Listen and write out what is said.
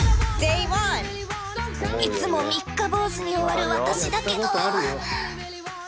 いつも三日坊主に終わる私だけど。